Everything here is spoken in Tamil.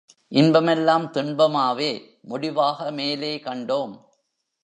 இன்பமெல்லாம் துன்பமாவே முடிவாக மேலே கண்டோம்.